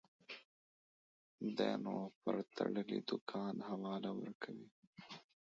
دى نو پر تړلي دوکان حواله ورکوي.